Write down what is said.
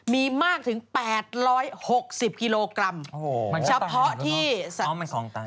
มีมากถึง๘๖๐กิโลกรัมโอ้โหมันก็ตายแล้วเนอะอ๋อมัน๒ตาย